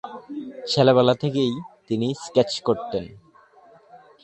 ছেলেবেলা থেকেই তিনি স্কেচ করতেন।